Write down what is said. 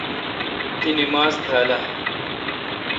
تی نماز تھال اہ؟